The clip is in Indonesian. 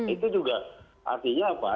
itu juga artinya apa